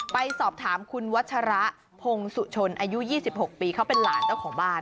ไปสอบถามคุณวัชระพงศุชนอายุ๒๖ปีเขาเป็นหลานเจ้าของบ้าน